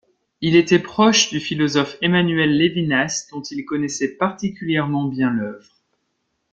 Il était proche du philosophe Emmanuel Levinas dont il connaissait particulièrement bien l'œuvre.